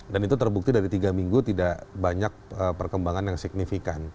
dan itu terbukti dari tiga minggu tidak banyak perkembangan yang signifikan